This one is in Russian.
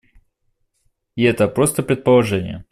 И это просто предположение.